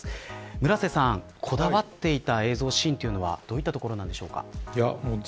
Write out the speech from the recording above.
村瀬さん、こだわっていた映像シーンはどういったところなんでしょうか。